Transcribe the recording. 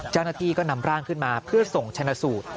เจ้าหน้าที่ก็นำร่างขึ้นมาเพื่อส่งชนะสูตร